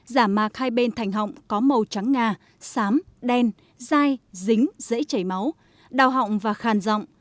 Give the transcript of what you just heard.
giả mà khai bên thành họng có màu trắng nga xám đen dai dính dễ chảy máu đào họng và khàn rọng